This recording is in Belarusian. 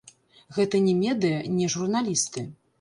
Гэта не медыя, не журналісты.